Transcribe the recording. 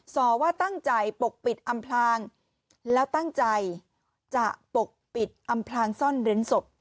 สอว่าตั้งใจปกปิดอำพลางแล้วตั้งใจจะปกปิดอำพลางซ่อนเร้นศพ